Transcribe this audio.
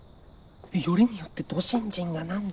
よりによってど新人が何で。